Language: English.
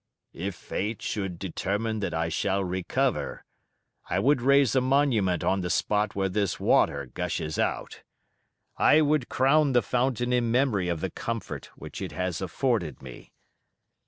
"If fate should determine that I shall recover, I would raise a monument on the spot where this water gushes out: I would crown the fountain in memory of the comfort which it has afforded me.